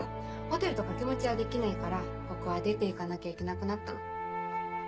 ホテルと掛け持ちはできないからここは出て行かなきゃいけなくなったの。